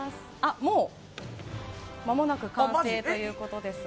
もうまもなく完成ということですが。